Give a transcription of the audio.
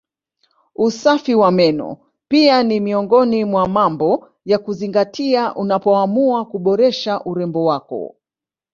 Usafi wa meno pia ni miongoni mwa mambo ya kuzingatia unapoamua kuboresha urembo wako